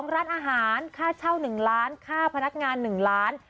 ร้านอาหารค่าเช่า๑ล้านค่าพนักงาน๑ล้าน